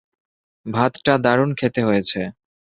ভাতটা দারুন খেতে হয়েছে।